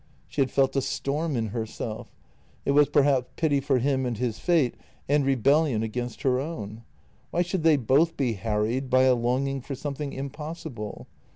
She had felt a storm in herself; it was perhaps pity for him and his fate and rebellion against her own — why should they both be harried by a longing for something impossible?